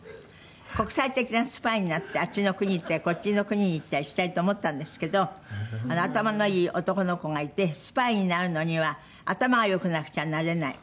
国際的なスパイになってあっちの国に行ったりこっちの国に行ったりしたいと思ったんですけど頭のいい男の子がいてスパイになるのには頭が良くなくちゃなれない。